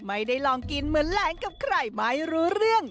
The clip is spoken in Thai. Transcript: ไม่ได้ลองกินเหมือนแหลงกับใครไม่รู้เรื่อง